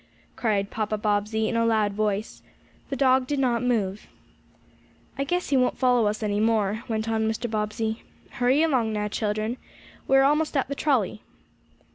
cried Papa Bobbsey in a loud voice. The dog did not move. "I guess he won't follow us any more," went on Mr. Bobbsey. "Hurry along now, children. We are almost at the trolley."